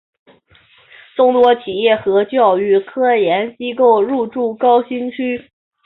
众多企业和教育科研机构入驻高新区。